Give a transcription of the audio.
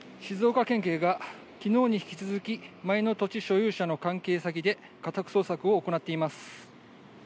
静岡県警がきのうに引き続き、前の土地所有者の関係先で家宅捜索を行っています。